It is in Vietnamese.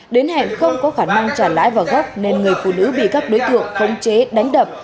đến hẹn không có khả năng trả lãi vào gấp nên người phụ nữ bị các đối tượng khống chế đánh đập